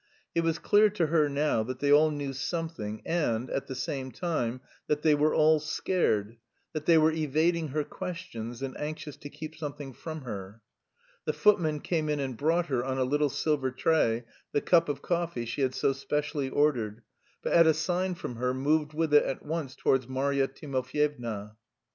It was clear to her now that they all knew something and, at the same time, that they were all scared, that they were evading her questions, and anxious to keep something from her. The footman came in and brought her, on a little silver tray, the cup of coffee she had so specially ordered, but at a sign from her moved with it at once towards Marya Timofyevna.